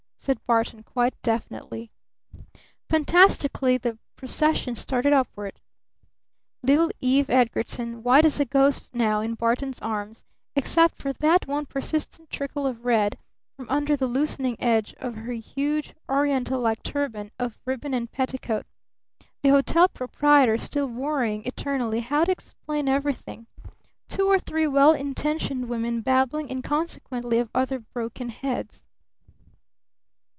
said Barton quite definitely. Fantastically the procession started upward little Eve Edgarton white as a ghost now in Barton's arms, except for that one persistent trickle of red from under the loosening edge of her huge Oriental like turban of ribbon and petticoat; the hotel proprietor still worrying eternally how to explain everything; two or three well intentioned women babbling inconsequently of other broken heads.